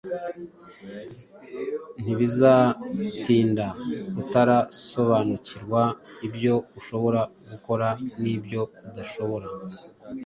ntibizatinda utarasobanukirwa ibyo ushobora gukora n’ibyo udashobora.